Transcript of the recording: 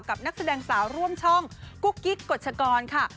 นักแสดงสาวร่วมช่องกุ๊กกิ๊กกฎชกรค่ะ